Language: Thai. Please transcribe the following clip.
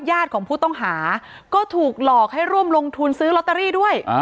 อ๋อเจ้าสีสุข่าวของสิ้นพอได้ด้วย